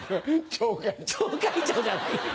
「町会長」じゃない。